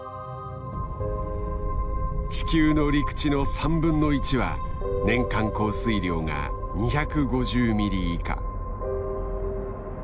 地球の陸地の３分の１は年間降水量が２５０ミリ以下。